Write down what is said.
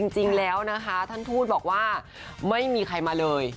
จริงแล้วนะคะท่านทูตบอกว่าไม่มีใครมาเลย